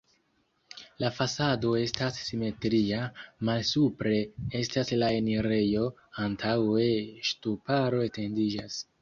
La fasado estas simetria, malsupre estas la enirejo, antaŭe ŝtuparo etendiĝas.